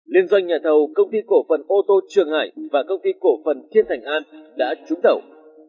liên doanh nhà thầu công ty cổ phần ô tô trường hải và công ty cổ phần thiên thành an đã trúng thầu